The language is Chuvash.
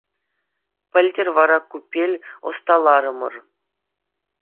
Пӗлтӗр вара купель ӑсталарӑмӑр.